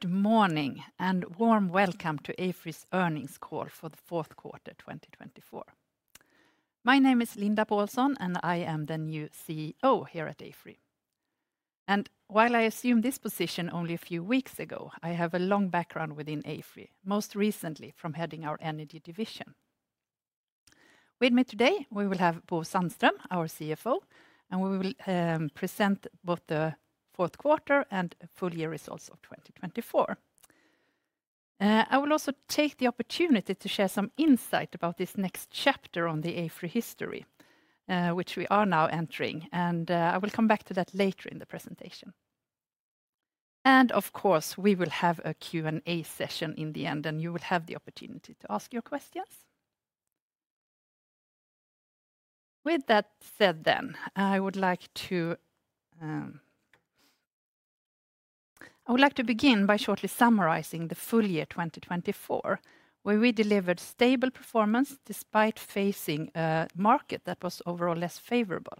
Good Morning and Warm Welcome to AFRY's Earnings Call For The Fourth Quarter 2024. My name is Linda Pålsson, and I am the new CEO here at AFRY, and while I assumed this position only a few weeks ago, I have a long background within AFRY, most recently from heading our Energy Division. With me today, we will have Bo Sandström, our CFO, and we will present both the fourth quarter and full year results of 2024. I will also take the opportunity to share some insight about this next chapter on the AFRY history, which we are now entering, and I will come back to that later in the presentation, and of course, we will have a Q&A session in the end, and you will have the opportunity to ask your questions. With that said then, I would like to begin by shortly summarizing the full year 2024, where we delivered stable performance despite facing a market that was overall less favorable.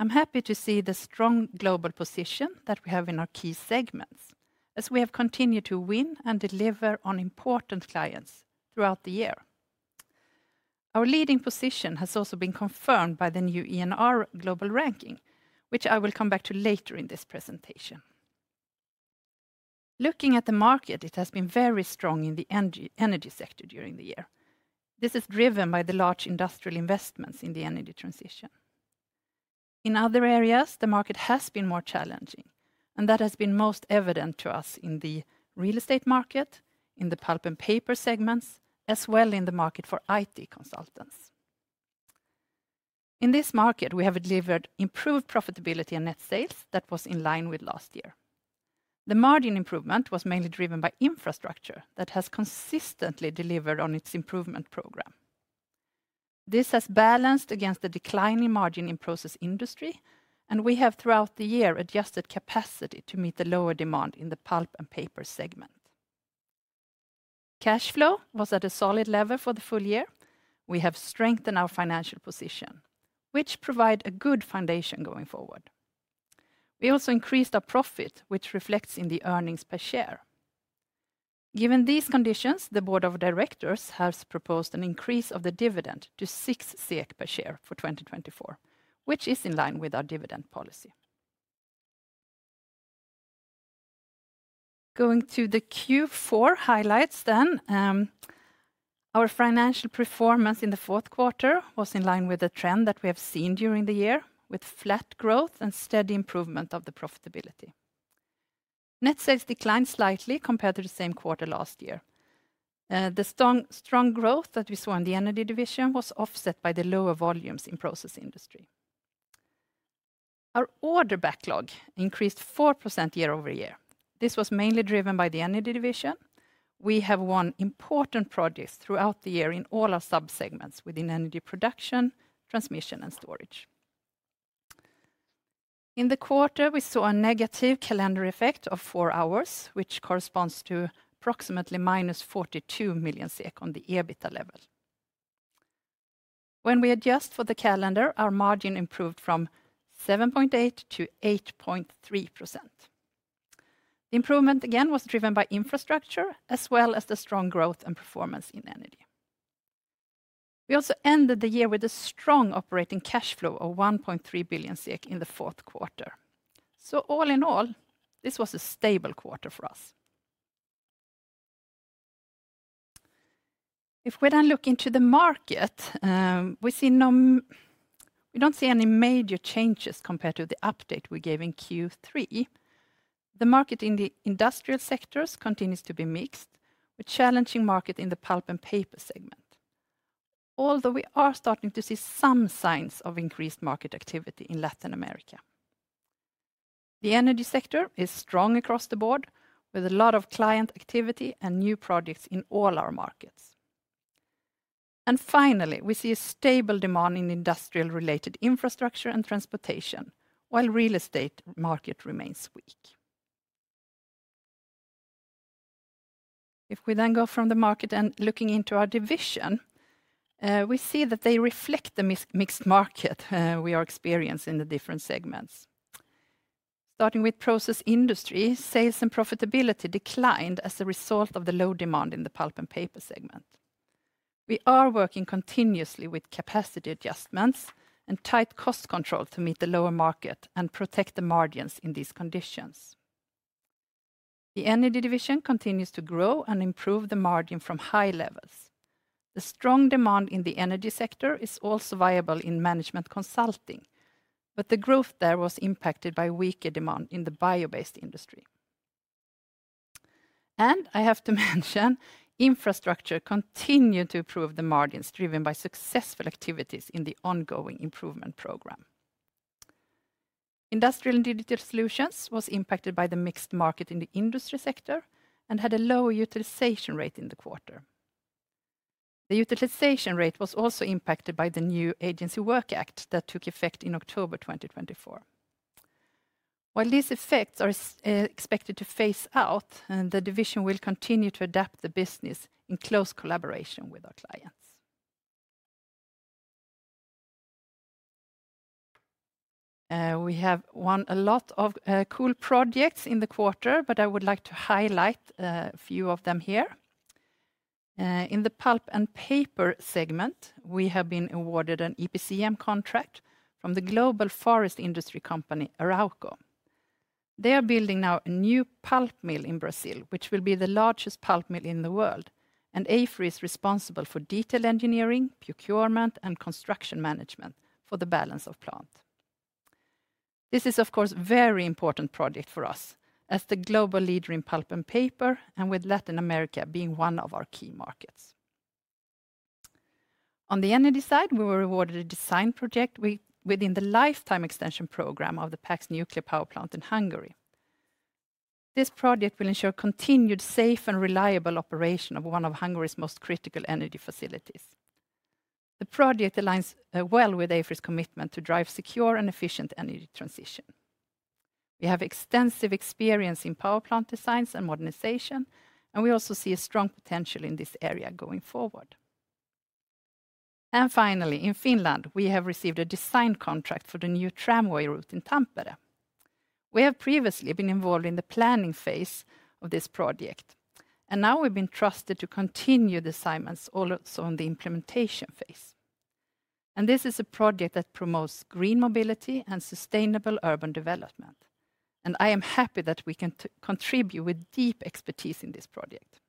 I'm happy to see the strong global position that we have in our key segments, as we have continued to win and deliver on important clients throughout the year. Our leading position has also been confirmed by the new ENR Global ranking, which I will come back to later in this presentation. Looking at the market, it has been very strong in the energy sector during the year. This is driven by the large industrial investments in the energy transition. In other areas, the market has been more challenging, and that has been most evident to us in the real estate market, in the pulp and paper segments, as well as in the market for IT consultants. In this market, we have delivered improved profitability and net sales that was in line with last year. The margin improvement was mainly driven by Infrastructure that has consistently delivered on its improvement program. This has balanced against the declining margin in Process Industries, and we have throughout the year adjusted capacity to meet the lower demand in the pulp and paper segment. Cash flow was at a solid level for the full year. We have strengthened our financial position, which provides a good foundation going forward. We also increased our profit, which reflects in the earnings per share. Given these conditions, the board of directors has proposed an increase of the dividend to 6 SEK per share for 2024, which is in line with our dividend policy. Going to the Q4 highlights then, our financial performance in the fourth quarter was in line with the trend that we have seen during the year, with flat growth and steady improvement of the profitability. Net sales declined slightly compared to the same quarter last year. The strong growth that we saw in the Energy Division was offset by the lower volumes in Process Industries. Our order backlog increased 4% year-over-year. This was mainly driven by the Energy Division. We have won important projects throughout the year in all our subsegments within energy production, transmission, and storage. In the quarter, we saw a negative calendar effect of four hours, which corresponds to approximately -42 million SEK on the EBITDA level. When we adjust for the calendar, our margin improved from 7.8%-8.3%. The improvement again was driven by infrastructure, as well as the strong growth and performance in energy. We also ended the year with a strong operating cash flow of 1.3 billion SEK in the fourth quarter. So all in all, this was a stable quarter for us. If we then look into the market, we don't see any major changes compared to the update we gave in Q3. The market in the industrial sectors continues to be mixed, with a challenging market in the pulp and paper segment, although we are starting to see some signs of increased market activity in Latin America. The energy sector is strong across the board, with a lot of client activity and new projects in all our markets. And finally, we see a stable demand in industrial-related infrastructure and transportation, while the real estate market remains weak. If we then go from the market and look into our division, we see that they reflect the mixed market we are experiencing in the different segments. Starting with Process Industries, sales and profitability declined as a result of the low demand in the pulp and paper segment. We are working continuously with capacity adjustments and tight cost control to meet the lower market and protect the margins in these conditions. The Energy Division continues to grow and improve the margin from high levels. The strong demand in the energy sector is also visible in management consulting, but the growth there was impacted by weaker demand in the bio-based industry, and I have to mention, Infrastructure continued to improve the margins driven by successful activities in the ongoing improvement program. Industrial and Digital Solutions were impacted by the mixed market in the industry sector and had a lower utilization rate in the quarter. The utilization rate was also impacted by the new Agency Work Act that took effect in October 2024. While these effects are expected to phase out, the division will continue to adapt the business in close collaboration with our clients. We have won a lot of cool projects in the quarter, but I would like to highlight a few of them here. In the pulp and paper segment, we have been awarded an EPCM contract from the global forest industry company, Arauco. They are building now a new pulp mill in Brazil, which will be the largest pulp mill in the world, and AFRY is responsible for detail engineering, procurement, and construction management for the Balance of Plant. This is, of course, a very important project for us as the global leader in pulp and paper, and with Latin America being one of our key markets. On the energy side, we were awarded a design project within the lifetime extension program of the Paks Nuclear Power Plant in Hungary. This project will ensure continued safe and reliable operation of one of Hungary's most critical energy facilities. The project aligns well with AFRY's commitment to drive secure and efficient energy transition. We have extensive experience in power plant designs and modernization, and we also see a strong potential in this area going forward. Finally, in Finland, we have received a design contract for the new tramway route in Tampere. We have previously been involved in the planning phase of this project, and now we've been trusted to continue the assignments also on the implementation phase. This is a project that promotes green mobility and sustainable urban development, and I am happy that we can contribute with deep expertise in this project.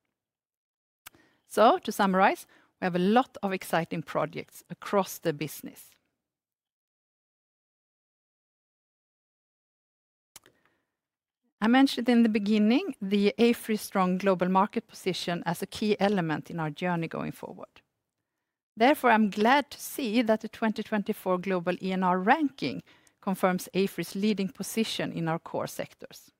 To summarize, we have a lot of exciting projects across the business. I mentioned in the beginning the AFRY's strong global market position as a key element in our journey going forward. Therefore, I'm glad to see that the 2024 global ENR ranking confirms AFRY's leading position in our core sectors.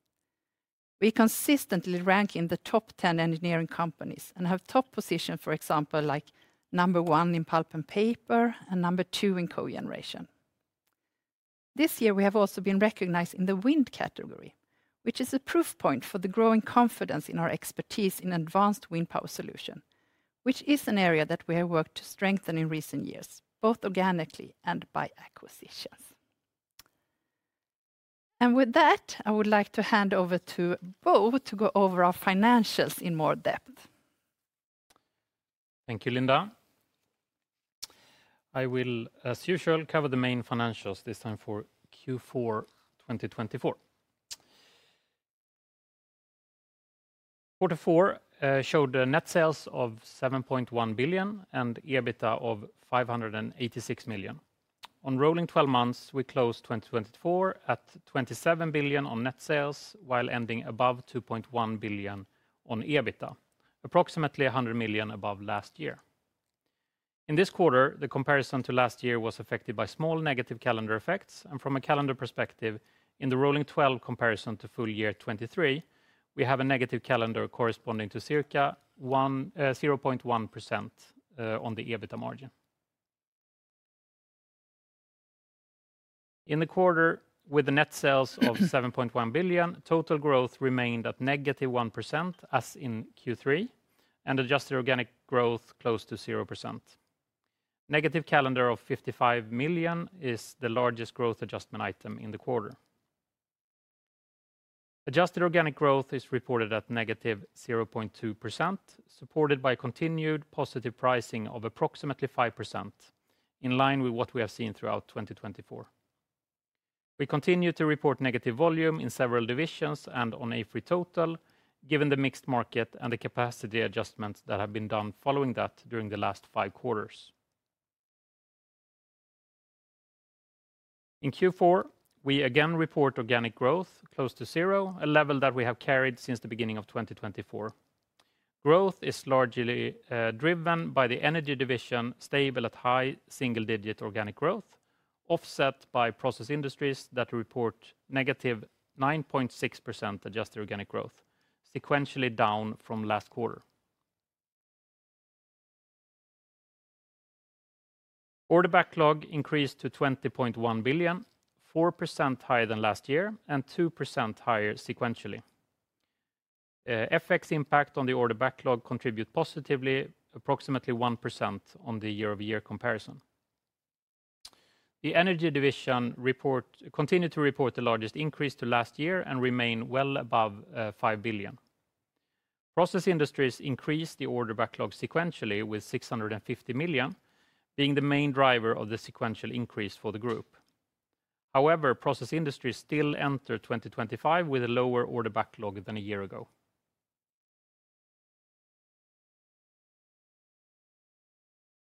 We consistently rank in the top 10 engineering companies and have top positions, for example, like number one in pulp and paper and number two in cogeneration. This year, we have also been recognized in the wind category, which is a proof point for the growing confidence in our expertise in advanced wind power solutions, which is an area that we have worked to strengthen in recent years, both organically and by acquisitions, and with that, I would like to hand over to Bo to go over our financials in more depth. Thank you, Linda. I will, as usual, cover the main financials this time for Q4 2024. Quarter four showed net sales of 7.1 billion and EBITDA of 586 million. On rolling 12 months, we closed 2024 at 27 billion on net sales, while ending above 2.1 billion on EBITDA, approximately 100 million above last year. In this quarter, the comparison to last year was affected by small negative calendar effects, and from a calendar perspective, in the rolling 12 comparison to full year 2023, we have a negative calendar corresponding to circa 0.1% on the EBITDA margin. In the quarter, with the net sales of 7.1 billion, total growth remained at -1% as in Q3, and adjusted organic growth close to 0%. Negative calendar of 55 million is the largest growth adjustment item in the quarter. Adjusted organic growth is reported at -0.2%, supported by continued positive pricing of approximately 5%, in line with what we have seen throughout 2024. We continue to report negative volume in several divisions and on AFRY Total, given the mixed market and the capacity adjustments that have been done following that during the last five quarters. In Q4, we again report organic growth close to zero, a level that we have carried since the beginning of 2024. Growth is largely driven by the Energy Division's stable at high single-digit organic growth, offset by Process Industries that report -9.6% adjusted organic growth, sequentially down from last quarter. Order backlog increased to 20.1 billion, 4% higher than last year and 2% higher sequentially. FX impact on the order backlog contributes positively, approximately 1% on the year-over-year comparison. The Energy Division continues to report the largest increase to last year and remains well above five billion. Process Industries increased the order backlog sequentially with 650 million, being the main driver of the sequential increase for the group. However, Process Industries still enter 2025 with a lower order backlog than a year ago.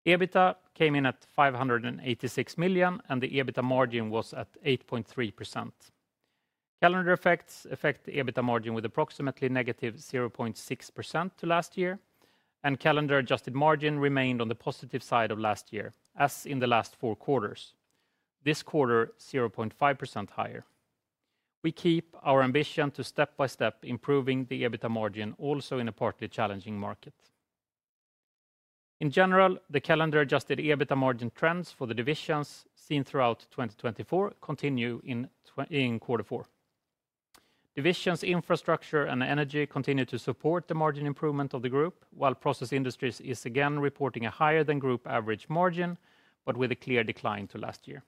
EBITDA came in at 586 million, and the EBITDA margin was at 8.3%. Calendar effects affect the EBITDA margin with approximately -0.6% to last year, and calendar adjusted margin remained on the positive side of last year, as in the last four quarters. This quarter, 0.5% higher. We keep our ambition to step-by-step improve the EBITDA margin also in a partly challenging market. In general, the calendar adjusted EBITDA margin trends for the divisions seen throughout 2024 continue in quarter four. Divisions' Infrastructure and Energy continue to support the margin improvement of the group, while Process Industries are again reporting a higher-than-group average margin, but with a clear decline to last year.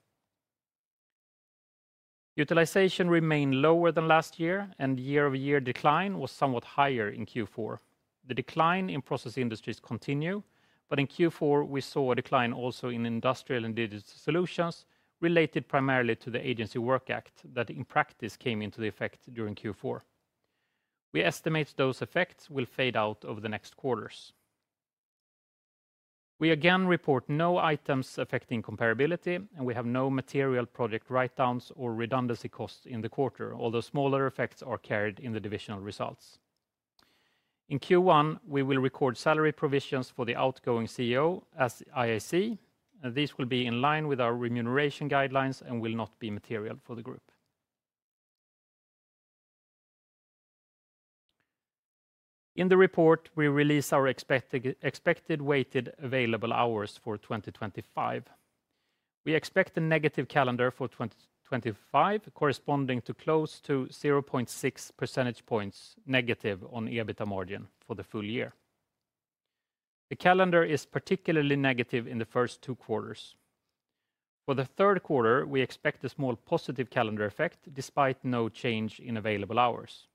Utilization remained lower than last year, and year-over-year decline was somewhat higher in Q4. The decline in Process Industries continues, but in Q4, we saw a decline also in Industrial and Digital Solutions related primarily to the Agency Work Act that in practice came into effect during Q4. We estimate those effects will fade out over the next quarters. We again report no items affecting comparability, and we have no material project write-downs or redundancy costs in the quarter, although smaller effects are carried in the divisional results. In Q1, we will record salary provisions for the outgoing CEO as IAC, and these will be in line with our remuneration guidelines and will not be material for the group. In the report, we release our expected weighted available hours for 2025. We expect a negative calendar for 2025, corresponding to close to 0.6 percentage points negative on EBITDA margin for the full year. The calendar is particularly negative in the first two quarters. For the third quarter, we expect a small positive calendar effect despite no change in available hours.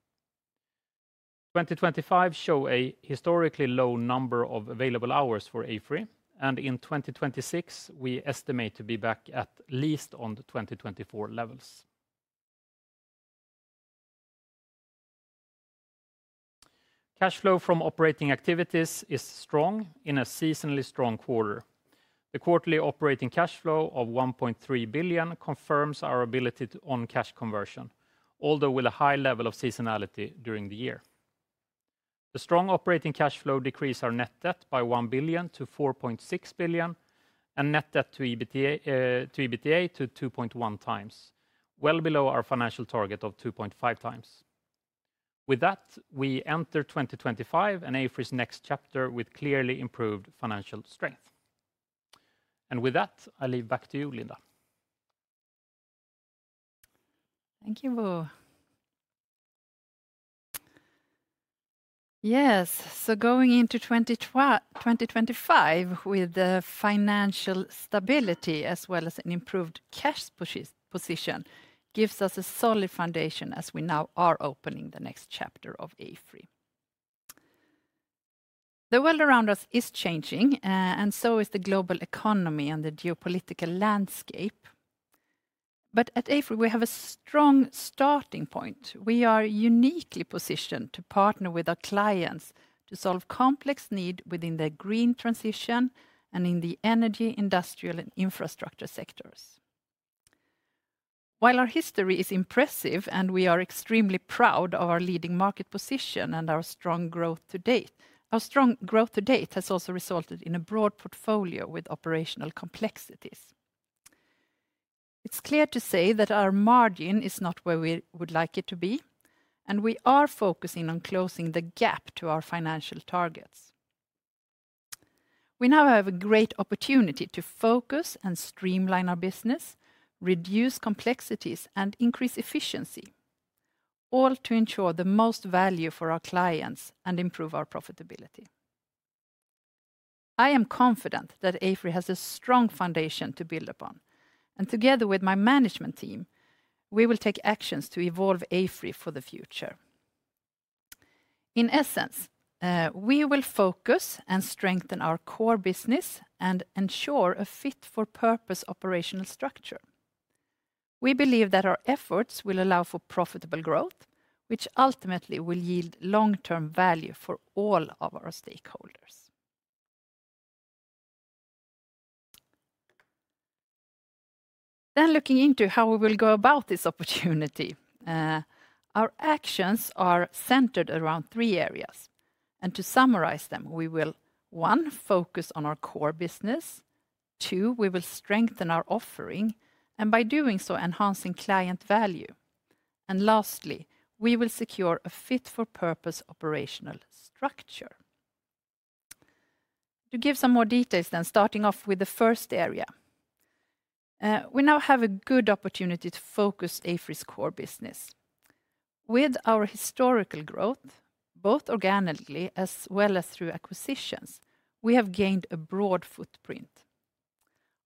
2025 shows a historically low number of available hours for AFRY, and in 2026, we estimate to be back at least on the 2024 levels. Cash flow from operating activities is strong in a seasonally strong quarter. The quarterly operating cash flow of 1.3 billion confirms our ability to cash conversion, although with a high level of seasonality during the year. The strong operating cash flow decreased our net debt by one billion to 4.6 billion and net debt to EBITDA to 2.1x, well below our financial target of 2.5x. With that, we enter 2025 and AFRY's next chapter with clearly improved financial strength. And with that, I leave back to you, Linda. Thank you, Bo. Yes, so going into 2025 with financial stability as well as an improved cash position gives us a solid foundation as we now are opening the next chapter of AFRY. The world around us is changing, and so is the global economy and the geopolitical landscape. But at AFRY, we have a strong starting point. We are uniquely positioned to partner with our clients to solve complex needs within the green transition and in the energy, industrial, and infrastructure sectors. While our history is impressive and we are extremely proud of our leading market position and our strong growth to date, our strong growth to date has also resulted in a broad portfolio with operational complexities. It's clear to say that our margin is not where we would like it to be, and we are focusing on closing the gap to our financial targets. We now have a great opportunity to focus and streamline our business, reduce complexities, and increase efficiency, all to ensure the most value for our clients and improve our profitability. I am confident that AFRY has a strong foundation to build upon, and together with my management team, we will take actions to evolve AFRY for the future. In essence, we will focus and strengthen our core business and ensure a fit-for-purpose operational structure. We believe that our efforts will allow for profitable growth, which ultimately will yield long-term value for all of our stakeholders. Then, looking into how we will go about this opportunity, our actions are centered around three areas, and to summarize them, we will, one, focus on our core business, two, we will strengthen our offering, and by doing so, enhance client value, and lastly, we will secure a fit-for-purpose operational structure. To give some more details then, starting off with the first area, we now have a good opportunity to focus on AFRY's core business. With our historical growth, both organically as well as through acquisitions, we have gained a broad footprint.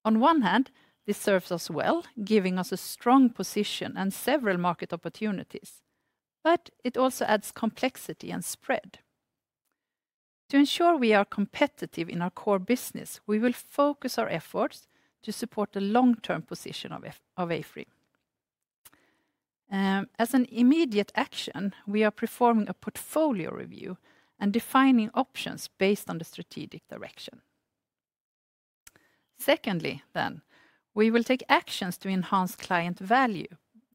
On one hand, this serves us well, giving us a strong position and several market opportunities, but it also adds complexity and spread. To ensure we are competitive in our core business, we will focus our efforts to support the long-term position of AFRY. As an immediate action, we are performing a portfolio review and defining options based on the strategic direction. Secondly, then, we will take actions to enhance client value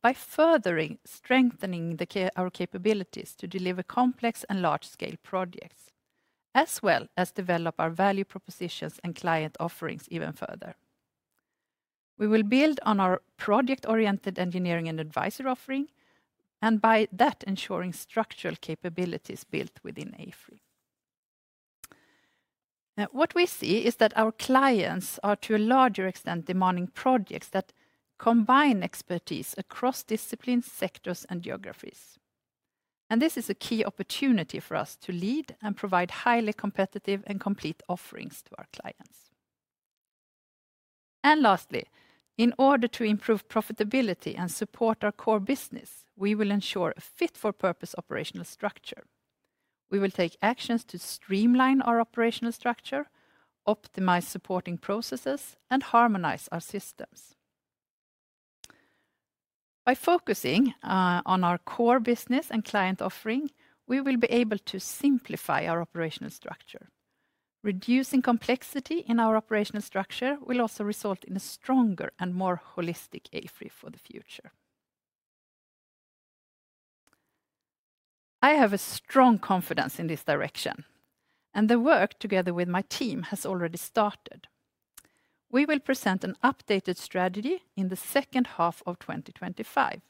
by further strengthening our capabilities to deliver complex and large-scale projects, as well as develop our value propositions and client offerings even further. We will build on our project-oriented engineering and advisory offering, and by that, ensuring structural capabilities built within AFRY. What we see is that our clients are, to a larger extent, demanding projects that combine expertise across disciplines, sectors, and geographies, and this is a key opportunity for us to lead and provide highly competitive and complete offerings to our clients, and lastly, in order to improve profitability and support our core business, we will ensure a fit-for-purpose operational structure. We will take actions to streamline our operational structure, optimize supporting processes, and harmonize our systems. By focusing on our core business and client offering, we will be able to simplify our operational structure. Reducing complexity in our operational structure will also result in a stronger and more holistic AFRY for the future. I have a strong confidence in this direction, and the work together with my team has already started. We will present an updated strategy in the second half of 2025.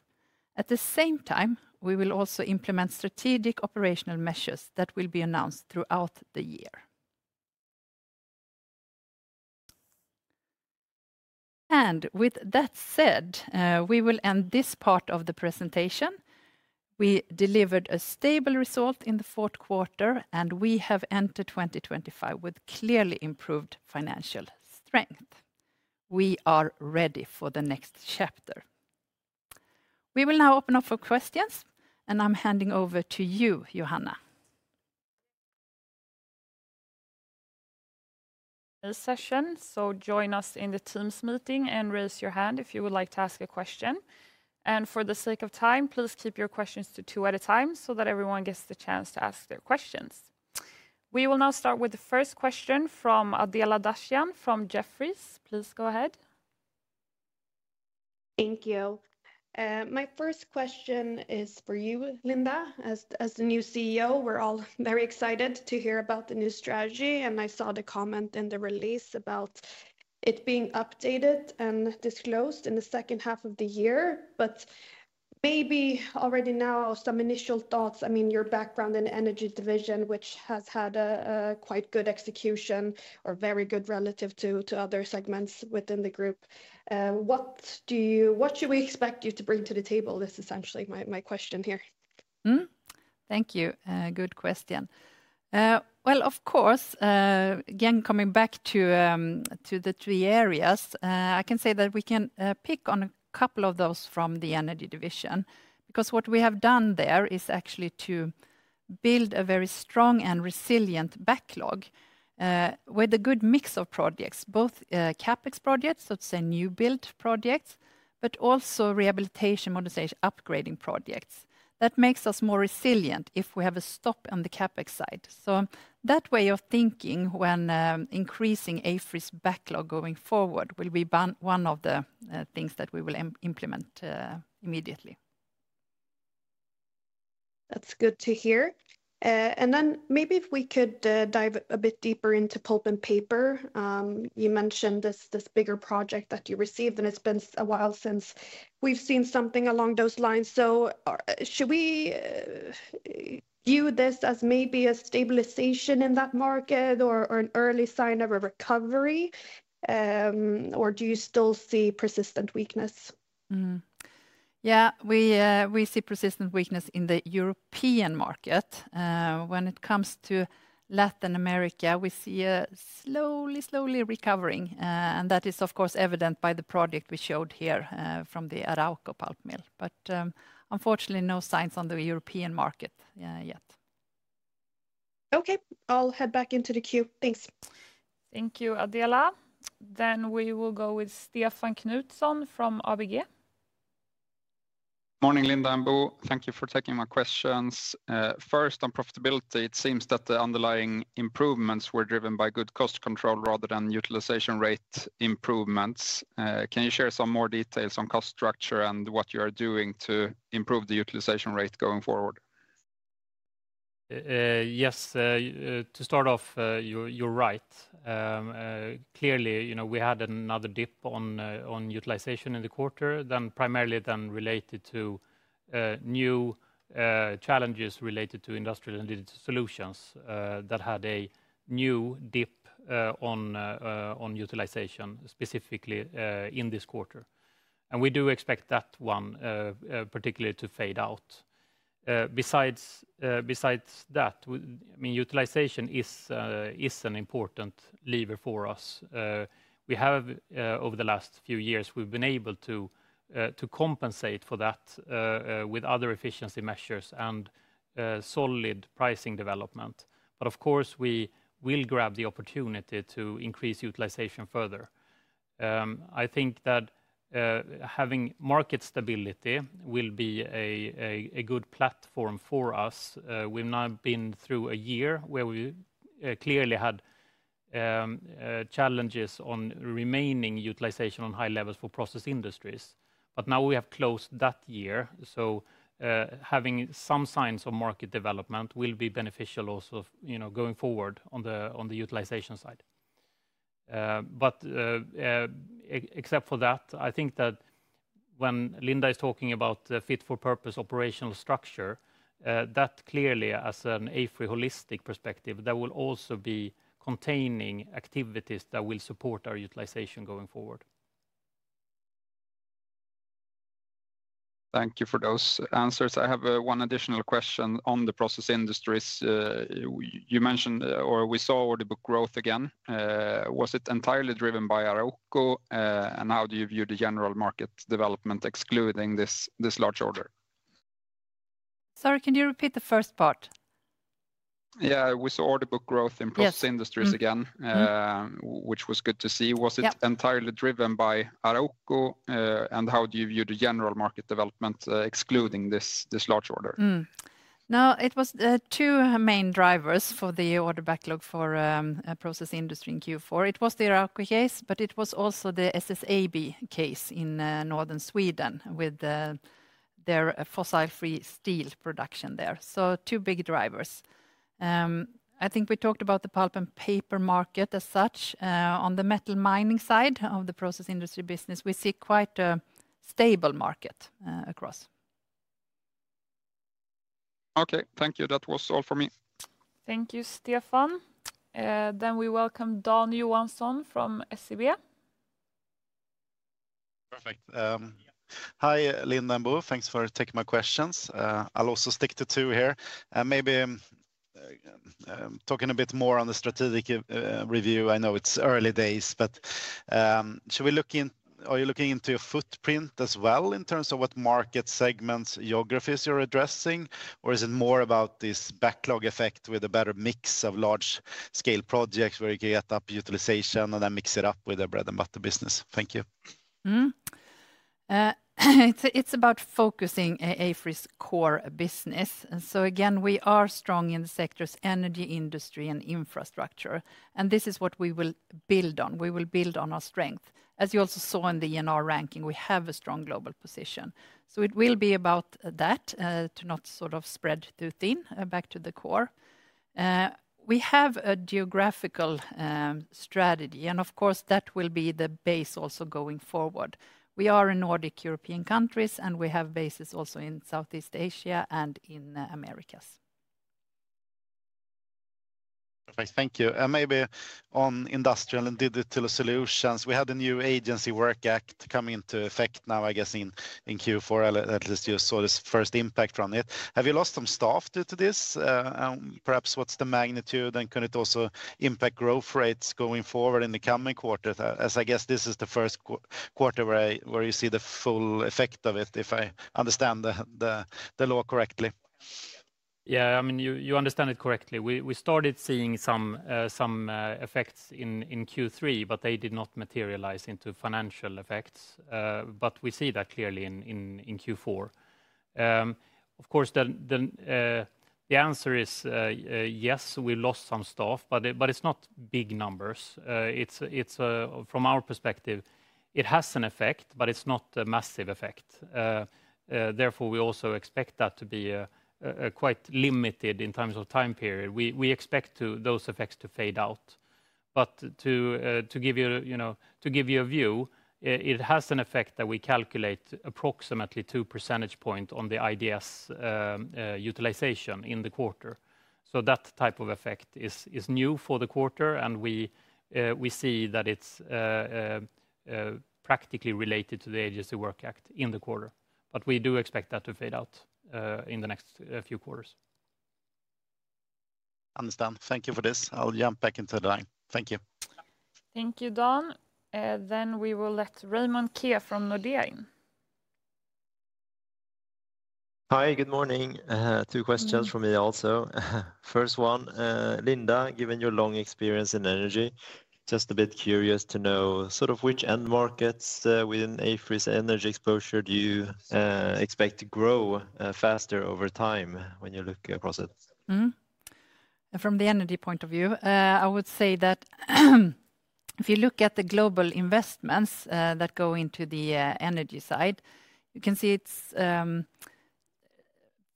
At the same time, we will also implement strategic operational measures that will be announced throughout the year. And with that said, we will end this part of the presentation. We delivered a stable result in the fourth quarter, and we have entered 2025 with clearly improved financial strength. We are ready for the next chapter. We will now open up for questions, and I'm handing over to you, Johanna. Session, so join us in the Teams meeting and raise your hand if you would like to ask a question. And for the sake of time, please keep your questions to two at a time so that everyone gets the chance to ask their questions. We will now start with the first question from Adela Dashian from Jefferies. Please go ahead. Thank you. My first question is for you, Linda. As the new CEO, we're all very excited to hear about the new strategy, and I saw the comment in the release about it being updated and disclosed in the second half of the year, but maybe already now some initial thoughts. I mean, your background in the Energy Division, which has had a quite good execution or very good relative to other segments within the group, what should we expect you to bring to the table? This is essentially my question here. Thank you. Good question. Of course, again, coming back to the three areas, I can say that we can pick on a couple of those from the Energy Division because what we have done there is actually to build a very strong and resilient backlog with a good mix of projects, both CapEx projects, so to say, new build projects, but also rehabilitation, modernization, upgrading projects. That makes us more resilient if we have a stop on the CapEx side. That way of thinking when increasing AFRY's backlog going forward will be one of the things that we will implement immediately. That's good to hear. And then maybe if we could dive a bit deeper into pulp and paper. You mentioned this bigger project that you received, and it's been a while since we've seen something along those lines. So should we view this as maybe a stabilization in that market or an early sign of a recovery, or do you still see persistent weakness? Yeah, we see persistent weakness in the European market. When it comes to Latin America, we see a slowly, slowly recovering, and that is, of course, evident by the project we showed here from the Arauco pulp mill. But unfortunately, no signs on the European market yet. Okay, I'll head back into the queue. Thanks. Thank you, Adela. Then we will go with Stefan Knutsson from ABG. Morning, Linda and Bo. Thank you for taking my questions. First, on profitability, it seems that the underlying improvements were driven by good cost control rather than utilization rate improvements. Can you share some more details on cost structure and what you are doing to improve the utilization rate going forward? Yes, to start off, you're right. Clearly, we had another dip on utilization in the quarter, primarily then related to new challenges related to Industrial and Digital Solutions that had a new dip on utilization specifically in this quarter, and we do expect that one particularly to fade out. Besides that, I mean, utilization is an important lever for us. Over the last few years, we've been able to compensate for that with other efficiency measures and solid pricing development, but of course, we will grab the opportunity to increase utilization further. I think that having market stability will be a good platform for us. We've now been through a year where we clearly had challenges on remaining utilization on high levels for Process Industries, but now we have closed that year, so having some signs of market development will be beneficial also going forward on the utilization side. But, except for that, I think that when Linda is talking about the fit-for-purpose operational structure, that clearly, as an AFRY holistic perspective, that will also be containing activities that will support our utilization going forward. Thank you for those answers. I have one additional question on the process industries. You mentioned or we saw order book growth again. Was it entirely driven by Arauco, and how do you view the general market development excluding this large order? Sorry, can you repeat the first part? Yeah, we saw order book growth in process industries again, which was good to see. Was it entirely driven by Arauco, and how do you view the general market development excluding this large order? Now, it was two main drivers for the order backlog for process industry in Q4. It was the Arauco case, but it was also the SSAB case in northern Sweden with their fossil-free steel production there. So two big drivers. I think we talked about the pulp and paper market as such. On the metal mining side of the process industry business, we see quite a stable market across. Okay, thank you. That was all for me. Thank you, Stefan. Then we welcome Dan Johansson from SEB. Perfect. Hi, Linda and Bo. Thanks for taking my questions. I'll also stick to two here. Maybe talking a bit more on the strategic review, I know it's early days, but are you looking into your footprint as well in terms of what market segments, geographies you're addressing, or is it more about this backlog effect with a better mix of large-scale projects where you can get up utilization and then mix it up with the bread and butter business? Thank you. It's about focusing AFRY's core business. So again, we are strong in the sectors, energy industry, and infrastructure. And this is what we will build on. We will build on our strength. As you also saw in the ENR ranking, we have a strong global position. So it will be about that to not sort of spread too thin back to the core. We have a geographical strategy, and of course, that will be the base also going forward. We are in Nordic European countries, and we have bases also in Southeast Asia and in the Americas. Perfect, thank you. And maybe on Industrial and Digital Solutions, we had a new Agency Work Act coming into effect now, I guess, in Q4. At least you saw this first impact from it. Have you lost some staff due to this? Perhaps what's the magnitude, and could it also impact growth rates going forward in the coming quarter? As I guess this is the first quarter where you see the full effect of it, if I understand the law correctly. Yeah, I mean, you understand it correctly. We started seeing some effects in Q3, but they did not materialize into financial effects. But we see that clearly in Q4. Of course, the answer is yes, we lost some staff, but it's not big numbers. From our perspective, it has an effect, but it's not a massive effect. Therefore, we also expect that to be quite limited in terms of time period. We expect those effects to fade out. But to give you a view, it has an effect that we calculate approximately two percentage points on the IDAS utilization in the quarter. So that type of effect is new for the quarter, and we see that it's practically related to the Agency Work Act in the quarter. But we do expect that to fade out in the next few quarters. Understand. Thank you for this. I'll jump back into the line. Thank you. Thank you, Dan. Then we will let Raymond Ke from Nordea. Hi, good morning. Two questions for me also. First one, Linda, given your long experience in energy, just a bit curious to know sort of which end markets within AFRY's energy exposure do you expect to grow faster over time when you look across it? From the energy point of view, I would say that if you look at the global investments that go into the energy side, you can see it's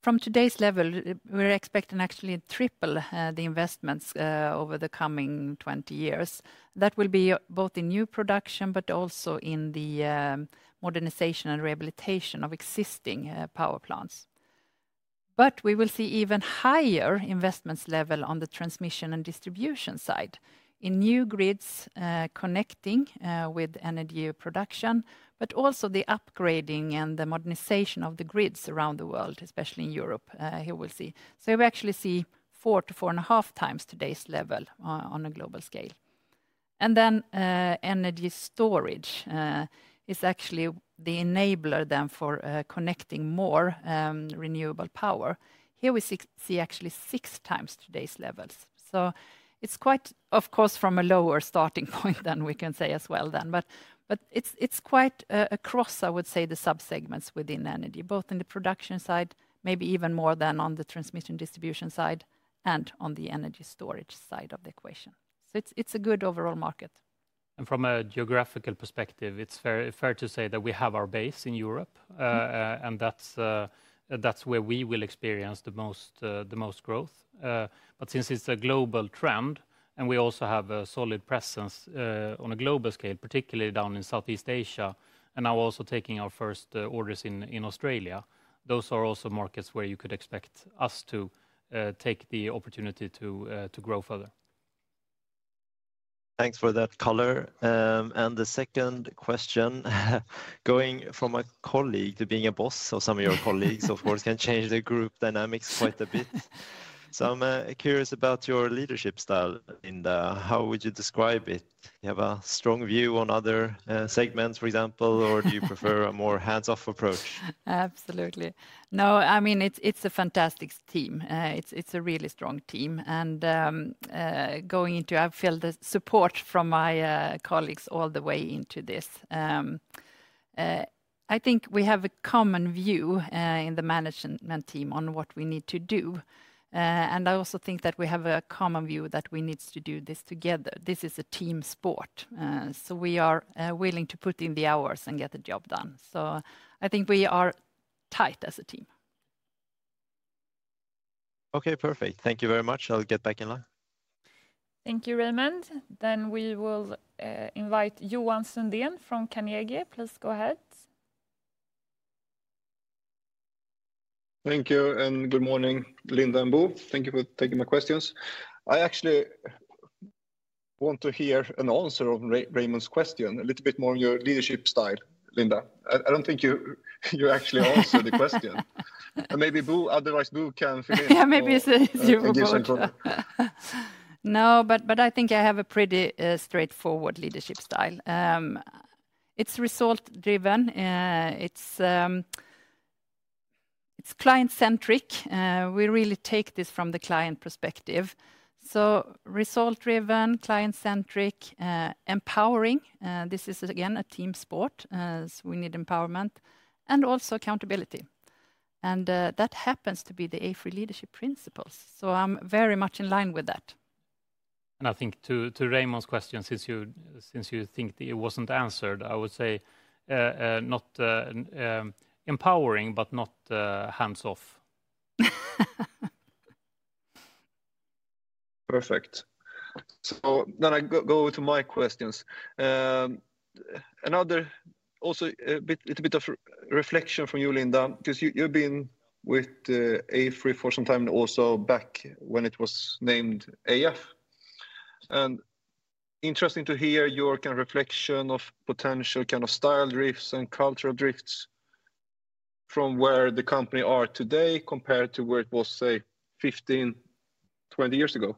from today's level, we're expecting actually triple the investments over the coming 20 years. That will be both in new production, but also in the modernization and rehabilitation of existing power plants. But we will see even higher investments level on the transmission and distribution side in new grids connecting with energy production, but also the upgrading and the modernization of the grids around the world, especially in Europe. Here we'll see. So we actually see four to four and a half times today's level on a global scale. And then energy storage is actually the enabler then for connecting more renewable power. Here we see actually six times today's levels. So it's quite, of course, from a lower starting point than we can say as well then. But it's quite across, I would say, the subsegments within energy, both in the production side, maybe even more than on the transmission distribution side and on the energy storage side of the equation. So it's a good overall market. From a geographical perspective, it's fair to say that we have our base in Europe, and that's where we will experience the most growth. But since it's a global trend and we also have a solid presence on a global scale, particularly down in Southeast Asia, and now also taking our first orders in Australia, those are also markets where you could expect us to take the opportunity to grow further. Thanks for that color. And the second question, going from a colleague to being a boss of some of your colleagues, of course, can change the group dynamics quite a bit. So I'm curious about your leadership style, Linda. How would you describe it? Do you have a strong view on other segments, for example, or do you prefer a more hands-off approach? Absolutely. No, I mean, it's a fantastic team. It's a really strong team, and going into, I feel the support from my colleagues all the way into this. I think we have a common view in the management team on what we need to do, and I also think that we have a common view that we need to do this together. This is a team sport, so we are willing to put in the hours and get the job done. So I think we are tight as a team. Okay, perfect. Thank you very much. I'll get back in line. Thank you, Raymond. Then we will invite Johan Sundén from Carnegie. Please go ahead. Thank you and good morning, Linda and Bo. Thank you for taking my questions. I actually want to hear an answer on Raymond's question, a little bit more on your leadership style, Linda. I don't think you actually answered the question. Maybe Bo can fill in. Yeah, maybe it's you, Bo. No, but I think I have a pretty straightforward leadership style. It's result-driven. It's client-centric. We really take this from the client perspective. So result-driven, client-centric, empowering. This is again a team sport, so we need empowerment and also accountability. And that happens to be the AFRY leadership principles. So I'm very much in line with that. I think to Raymond's question, since you think it wasn't answered, I would say not empowering, but not hands-off. Perfect. So then I go to my questions. Another also a bit of reflection from you, Linda, because you've been with AFRY for some time and also back when it was named ÅF. And interesting to hear your kind of reflection of potential kind of style drifts and cultural drifts from where the company are today compared to where it was, say, 15-20 years ago.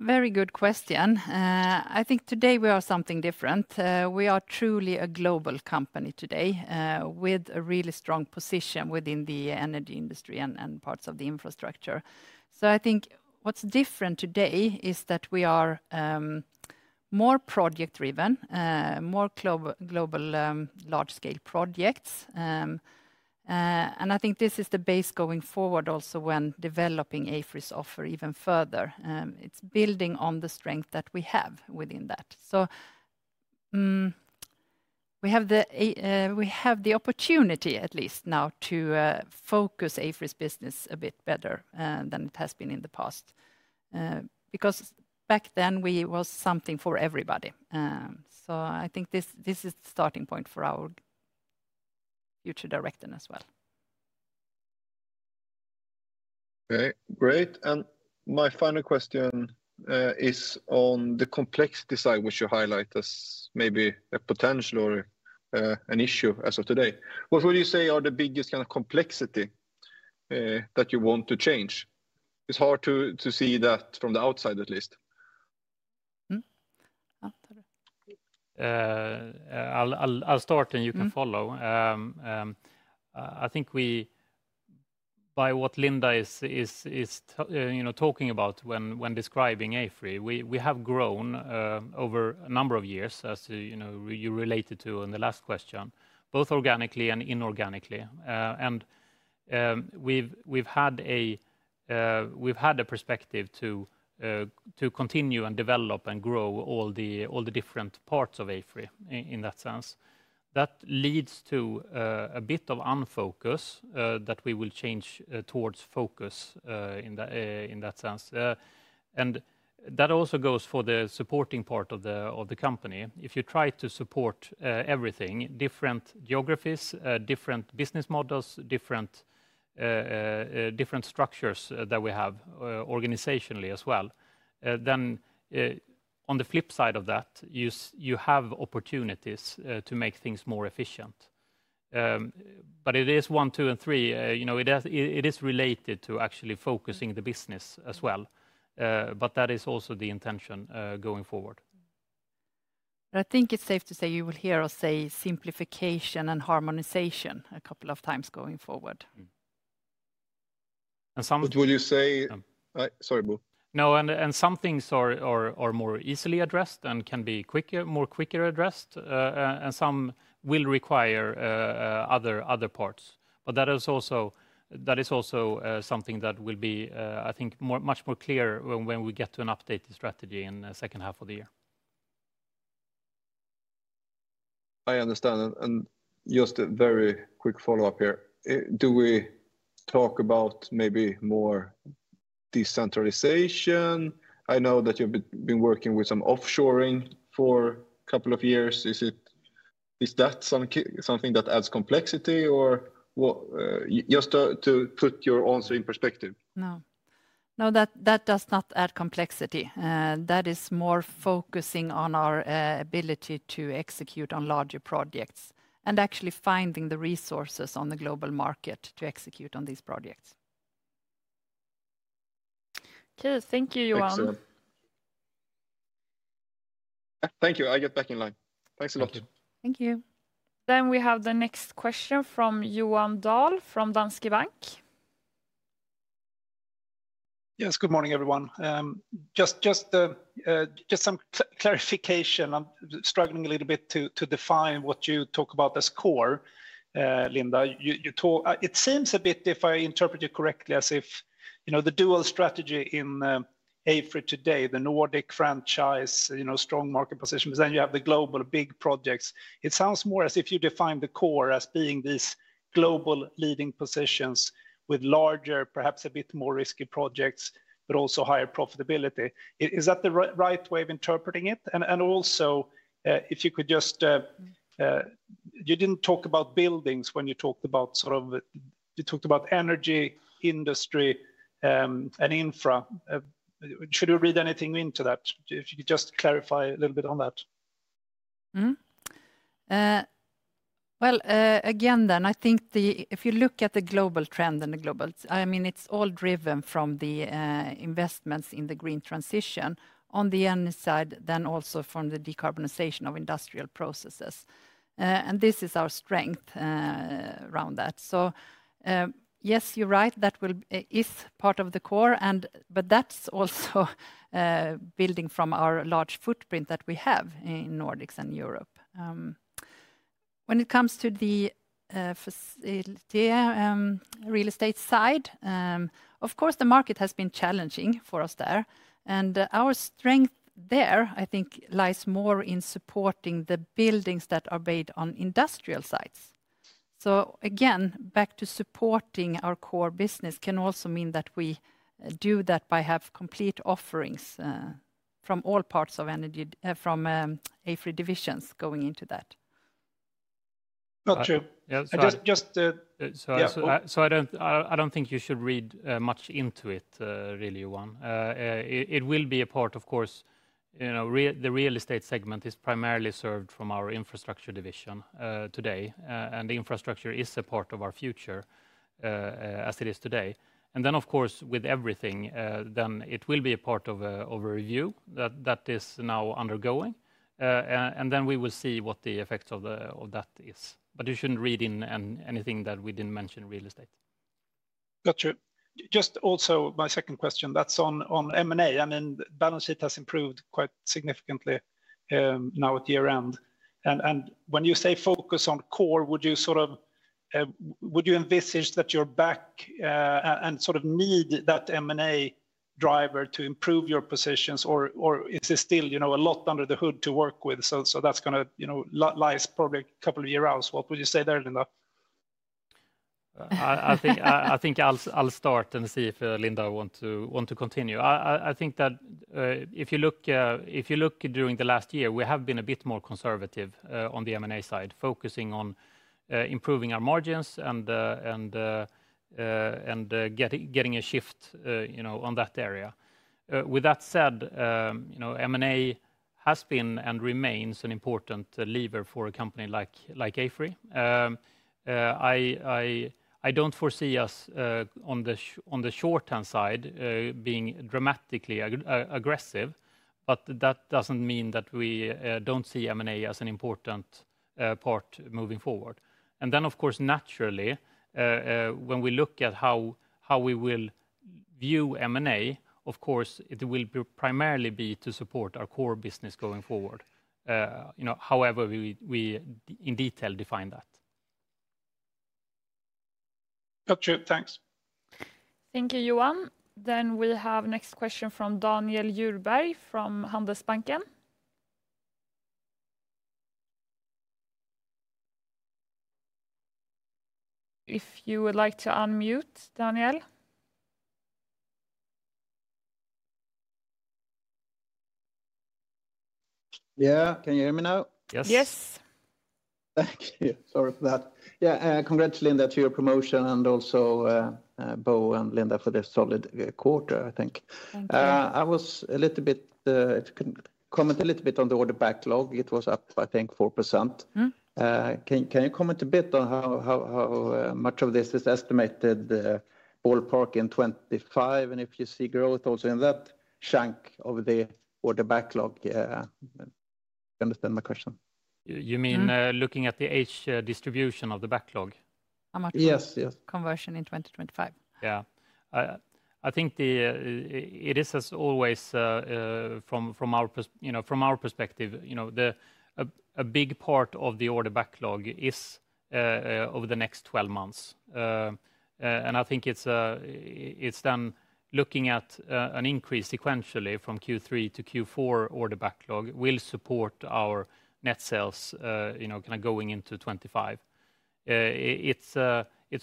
Very good question. I think today we are something different. We are truly a global company today with a really strong position within the energy industry and parts of the infrastructure. So I think what's different today is that we are more project-driven, more global large-scale projects. And I think this is the base going forward also when developing AFRY's offer even further. It's building on the strength that we have within that. So we have the opportunity at least now to focus AFRY's business a bit better than it has been in the past. Because back then we were something for everybody. So I think this is the starting point for our future direction as well. Okay, great. And my final question is on the complexity side, which you highlight as maybe a potential or an issue as of today. What would you say are the biggest kind of complexity that you want to change? It's hard to see that from the outside at least. I'll start and you can follow. I think by what Linda is talking about when describing AFRY, we have grown over a number of years, as you related to in the last question, both organically and inorganically. And we've had a perspective to continue and develop and grow all the different parts of AFRY in that sense. That leads to a bit of unfocus that we will change towards focus in that sense. And that also goes for the supporting part of the company. If you try to support everything, different geographies, different business models, different structures that we have organizationally as well, then on the flip side of that, you have opportunities to make things more efficient. But it is one, two, and three. It is related to actually focusing the business as well. But that is also the intention going forward. I think it's safe to say you will hear us say simplification and harmonization a couple of times going forward. Would you say? Sorry, Bo. No, and some things are more easily addressed and can be more quicker addressed. And some will require other parts. But that is also something that will be, I think, much more clear when we get to an updated strategy in the second half of the year. I understand, and just a very quick follow-up here. Do we talk about maybe more decentralization? I know that you've been working with some offshoring for a couple of years. Is that something that adds complexity or just to put your answer in perspective? No, that does not add complexity. That is more focusing on our ability to execute on larger projects and actually finding the resources on the global market to execute on these projects. Thank you, Johan. Thank you. I get back in line. Thanks a lot. Thank you. Then we have the next question from Johan Dahl from Danske Bank. Yes, good morning, everyone. Just some clarification. I'm struggling a little bit to define what you talk about as core, Linda. It seems a bit, if I interpret you correctly, as if the dual strategy in AFRY today, the Nordic franchise, strong market position, but then you have the global big projects. It sounds more as if you define the core as being these global leading positions with larger, perhaps a bit more risky projects, but also higher profitability. Is that the right way of interpreting it? And also, if you could just, you didn't talk about buildings when you talked about sort of, you talked about energy industry and infra. Should you read anything into that? If you could just clarify a little bit on that. Again, I think if you look at the global trend and the global, I mean, it's all driven from the investments in the green transition on the end side, then also from the decarbonization of industrial processes, and this is our strength around that. Yes, you're right, that is part of the core, but that's also building from our large footprint that we have in Nordics and Europe. When it comes to the real estate side, of course, the market has been challenging for us there, and our strength there, I think, lies more in supporting the buildings that are based on industrial sites. Again, back to supporting our core business can also mean that we do that by having complete offerings from all parts of AFRY divisions going into that. Got you. So I don't think you should read much into it, really, Johan. It will be a part, of course. The real estate segment is primarily served from our infrastructure division today, and the infrastructure is a part of our future as it is today, and then, of course, with everything, then it will be a part of a review that is now undergoing, and then we will see what the effects of that is, but you shouldn't read in anything that we didn't mention real estate. Got you. Just also my second question, that's on M&A. I mean, balance sheet has improved quite significantly now at year end. And when you say focus on core, would you sort of, would you envisage that you're back and sort of need that M&A driver to improve your positions? Or is there still a lot under the hood to work with? So that's going to lie probably a couple of years out. What would you say there, Linda? I think I'll start and see if Linda wants to continue. I think that if you look during the last year, we have been a bit more conservative on the M&A side, focusing on improving our margins and getting a shift on that area. With that said, M&A has been and remains an important lever for a company like AFRY. I don't foresee us on the short-term side being dramatically aggressive, but that doesn't mean that we don't see M&A as an important part moving forward. And then, of course, naturally, when we look at how we will view M&A, of course, it will primarily be to support our core business going forward, however we in detail define that. Not true. Thanks. Thank you, Johan. Then we have next question from Daniel Djurberg from Handelsbanken. If you would like to unmute, Daniel. Yeah, can you hear me now? Yes. Yes. Thank you. Sorry for that. Yeah, congrats, Linda, to your promotion and also Bo and Linda for the solid quarter, I think. I was a little bit, if you can comment a little bit on the order backlog. It was up, I think, 4%. Can you comment a bit on how much of this is estimated ballpark in 25? And if you see growth also in that chunk of the order backlog, do you understand my question? You mean looking at the age distribution of the backlog? Yes. Yes. How much conversion in 2025? Yeah. I think it is, as always, from our perspective, a big part of the order backlog is over the next 12 months. And I think it's then looking at an increase sequentially from Q3 to Q4 order backlog will support our net sales kind of going into 2025. It's,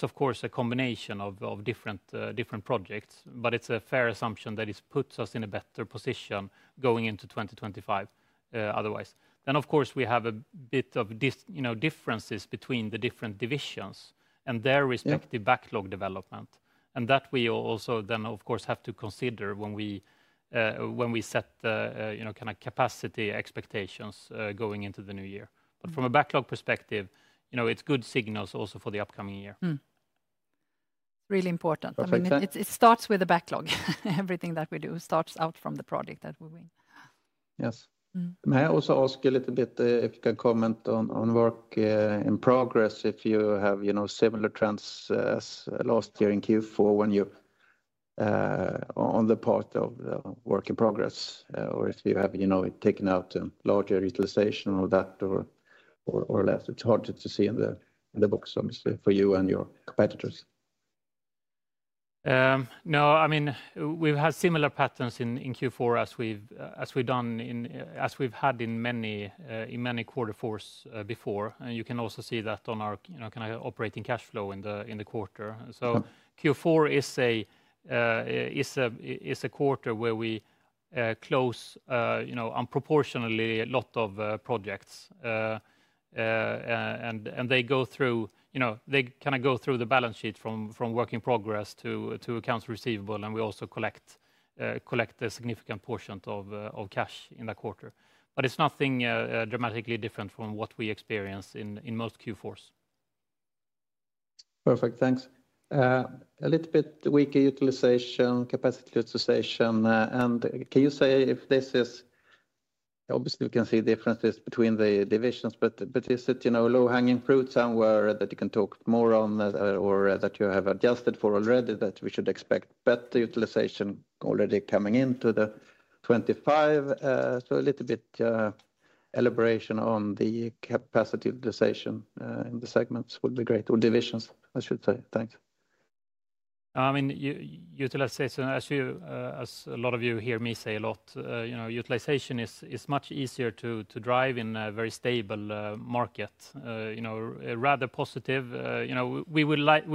of course, a combination of different projects, but it's a fair assumption that it puts us in a better position going into 2025 otherwise. Then, of course, we have a bit of differences between the different divisions and their respective backlog development. And that we also then, of course, have to consider when we set kind of capacity expectations going into the new year. But from a backlog perspective, it's good signals also for the upcoming year. It's really important. It starts with the backlog. Everything that we do starts out from the project that we win. Yes. May I also ask a little bit if you can comment on work in progress if you have similar trends last year in Q4 on the part of the work in progress or if you have taken out a larger utilization of that or less? It's hard to see in the books for you and your competitors. No, I mean, we've had similar patterns in Q4 as we've had in many quarter fours before, and you can also see that on our kind of operating cash flow in the quarter. So Q4 is a quarter where we close disproportionately a lot of projects, and they go through, they kind of go through the balance sheet from work in progress to accounts receivable, and we also collect a significant portion of cash in that quarter, but it's nothing dramatically different from what we experience in most Q4s. Perfect. Thanks. A little bit weaker utilization, capacity utilization. And can you say if this is, obviously, we can see differences between the divisions, but is it low hanging fruit somewhere that you can talk more on or that you have adjusted for already that we should expect better utilization already coming into 2025? So a little bit elaboration on the capacity utilization in the segments would be great or divisions, I should say. Thanks. I mean, utilization, as a lot of you hear me say a lot, utilization is much easier to drive in a very stable market. Rather positive. We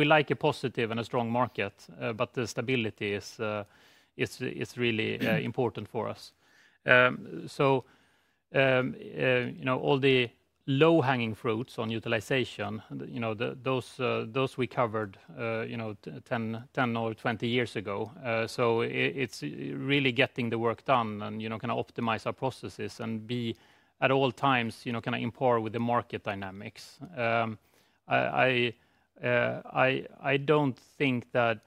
like a positive and a strong market, but the stability is really important for us. So all the low hanging fruits on utilization, those we covered 10 or 20 years ago. So it's really getting the work done and kind of optimize our processes and be at all times kind of on par with the market dynamics. I don't think that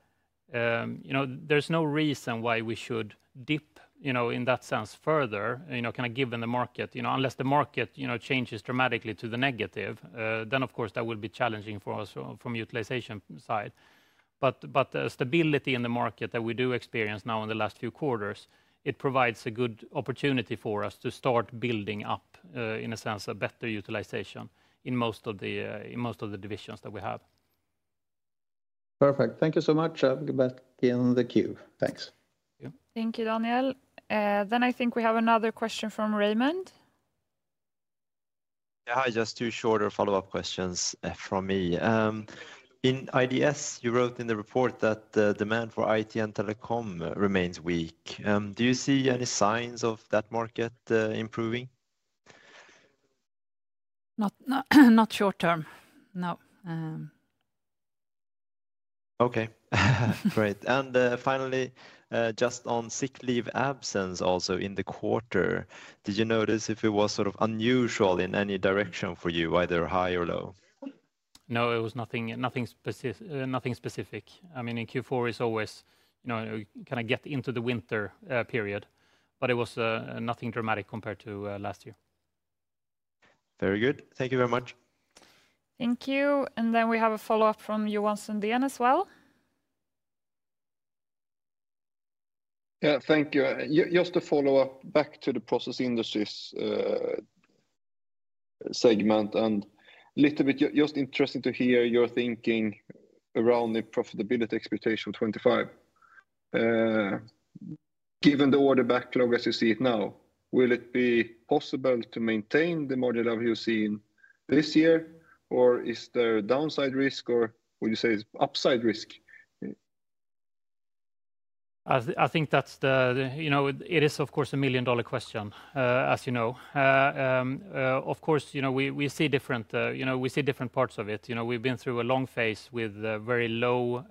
there's no reason why we should dip in that sense further kind of given the market, unless the market changes dramatically to the negative. Then, of course, that would be challenging for us from the utilization side. But the stability in the market that we do experience now in the last few quarters, it provides a good opportunity for us to start building up in a sense of better utilization in most of the divisions that we have. Perfect. Thank you so much. I'll be back in the queue. Thanks. Thank you, Daniel. Then I think we have another question from Raymond. Yeah, I just have two shorter follow-up questions from me. In IDS, you wrote in the report that the demand for IT and telecom remains weak. Do you see any signs of that market improving? Not short term. No. Okay. Great. And finally, just on sick leave absence also in the quarter, did you notice if it was sort of unusual in any direction for you, either high or low? No, it was nothing specific. I mean, in Q4 is always kind of get into the winter period. But it was nothing dramatic compared to last year. Very good. Thank you very much. Thank you. And then we have a follow-up from Johan Sundén as well. Yeah, thank you. Just to follow up back to the Process Industries segment and a little bit just interesting to hear your thinking around the profitability expectation of 25%. Given the order backlog as you see it now, will it be possible to maintain the model that you've seen this year? Or is there downside risk? Or would you say it's upside risk? I think that's it, of course, a million-dollar question, as you know. Of course, we see different parts of it. We've been through a long phase with very low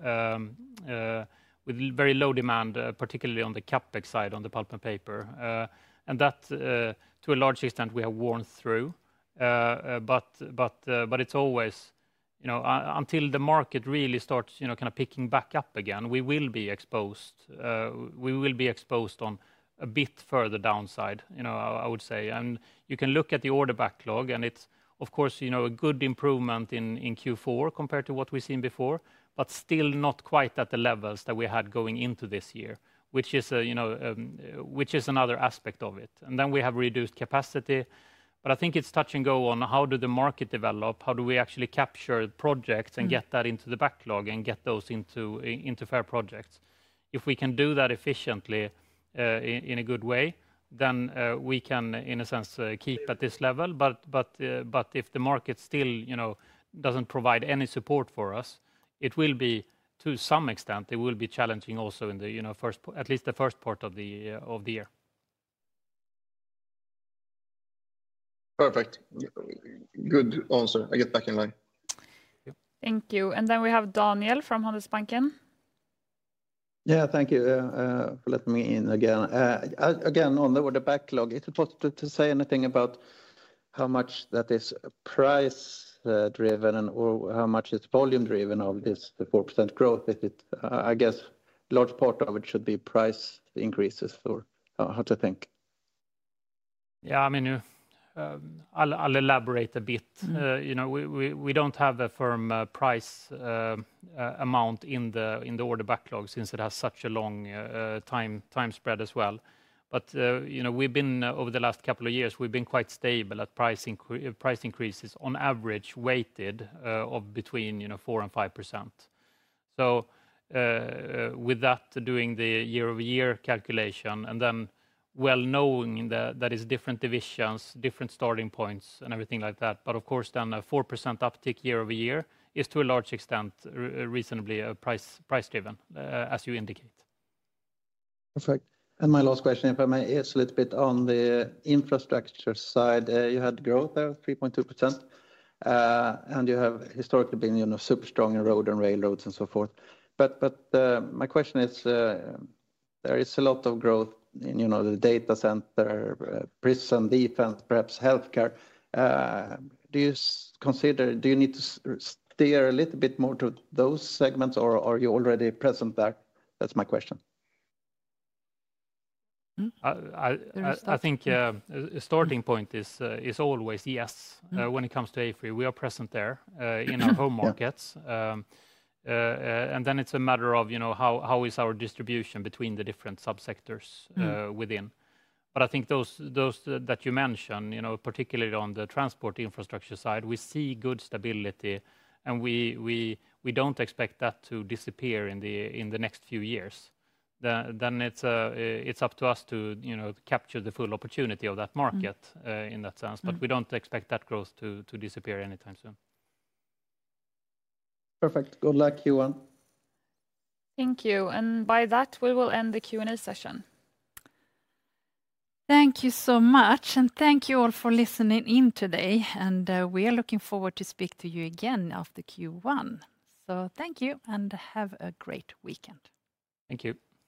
demand, particularly on the CapEx side on the pulp and paper. And that, to a large extent, we have worn through. But it's always, until the market really starts kind of picking back up again, we will be exposed. We will be exposed on a bit further downside, I would say. And you can look at the order backlog, and it's, of course, a good improvement in Q4 compared to what we've seen before, but still not quite at the levels that we had going into this year, which is another aspect of it. And then we have reduced capacity. But I think it's touch and go on how the market develops, how we actually capture projects and get that into the backlog and get those into AFRY projects. If we can do that efficiently in a good way, then we can, in a sense, keep at this level. But if the market still doesn't provide any support for us, it will be, to some extent, challenging also in the first, at least the first part of the year. Perfect. Good answer. I get back in line. Thank you, and then we have Daniel from Handelsbanken. Yeah, thank you for letting me in again. Again, on the order backlog, it's impossible to say anything about how much that is price-driven or how much it's volume-driven of this 4% growth. I guess a large part of it should be price increases or how to think. Yeah, I mean, I'll elaborate a bit. We don't have a firm price amount in the order backlog since it has such a long time spread as well. But we've been, over the last couple of years, we've been quite stable at price increases on average weighted of between 4% and 5%. So with that, doing the year-over-year calculation and then well knowing that it's different divisions, different starting points and everything like that. But of course, then a 4% uptick year-over-year is, to a large extent, reasonably price-driven, as you indicate. Perfect. And my last question, if I may, is a little bit on the infrastructure side. You had growth there, 3.2%. And you have historically been super strong in road and railroads and so forth. But my question is, there is a lot of growth in the data center, prison defense, perhaps healthcare. Do you consider, do you need to steer a little bit more to those segments, or are you already present there? That's my question. I think a starting point is always yes when it comes to AFRY. We are present there in our home markets, and then it's a matter of how is our distribution between the different subsectors within, but I think those that you mentioned, particularly on the transport infrastructure side, we see good stability, and we don't expect that to disappear in the next few years, then it's up to us to capture the full opportunity of that market in that sense, but we don't expect that growth to disappear anytime soon. Perfect. Good luck, Johan. Thank you. And by that, we will end the Q&A session. Thank you so much. And thank you all for listening in today. And we are looking forward to speak to you again after Q1. So thank you and have a great weekend. Thank you.